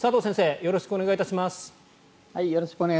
よろしくお願いします。